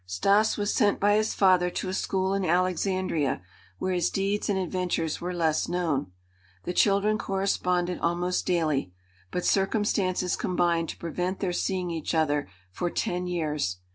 Stas was sent by his father to a school in Alexandria, where his deeds and adventures were less known. The children corresponded almost daily, but circumstances combined to prevent their seeing each other for ten years.